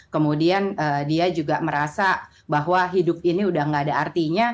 kemudian dia juga merasa bahwa hidup ini udah gak ada artinya